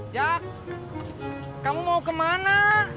jak kamu mau kemana